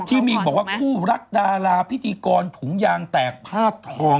ชิมิงบอกว่าคู่รักดาราพิธีกรถุงยางแตกผ้าท้อง